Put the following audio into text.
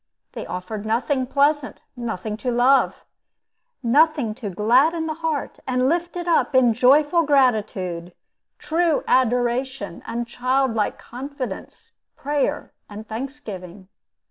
They offered nothing pleasant, nothing to love, nothing to gladden the heart and lift it up in joyful gratitude, true adoration, and childlike confidence, prayer, and thanksgiving.